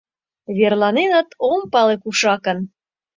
Верланеныт, ом пале, кушакын